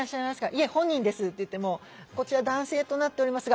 「いえ本人です」って言っても「こちら男性となっておりますが」